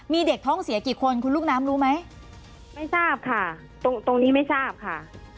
มีเด็กท้องเสียกี่คนคุณลูกน้ำรู้ไหมไม่ทราบค่ะตรงนี้ไม่ทราบค่ะ